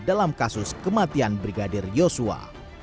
dalam kasus kematian brigadir yosua